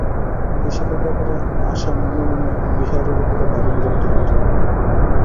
এই-সকল ব্যাপারে আশা মনে মনে বিহারীর উপরে ভারি বিরক্ত হইত।